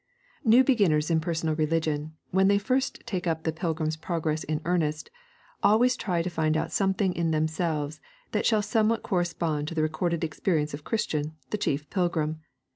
New beginners in personal religion, when they first take up The Pilgrim's Progress in earnest, always try to find out something in themselves that shall somewhat correspond to the recorded experience of Christian, the chief pilgrim.